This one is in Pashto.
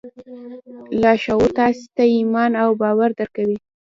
لاشعور تاسې ته ایمان او باور درکوي